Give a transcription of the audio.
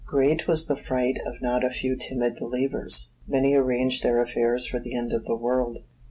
Great was the fright of not a few timid believers. Many arranged their affairs for the end of the world.